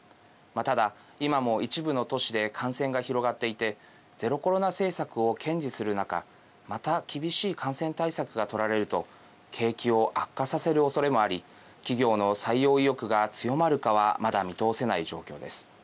ただ、今も一部の都市で感染が広がっていてゼロコロナ政策を堅持する中また厳しい感染対策が取られると景気を悪化させるおそれもあり企業の採用意欲が強まるかはまだ見通せない状況です。